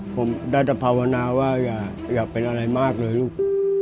ผมได้แต่ภาวนาว่าอย่าเป็นอะไรมากเลยลูก